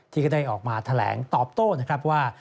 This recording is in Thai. ที่ก็ได้ออกมาแถลงตอบโต้ว่า